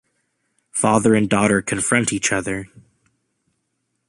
Father and daughter confront each other.